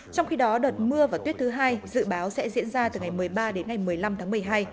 trong khi đó đợt mưa và tuyết thứ hai dự báo sẽ diễn ra từ ngày một mươi ba đến ngày một mươi năm tháng một mươi hai